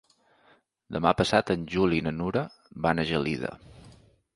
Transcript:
Demà passat en Juli i na Nura van a Gelida.